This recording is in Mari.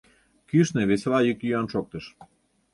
Кӱшнӧ весела йӱк-йӱан шоктыш.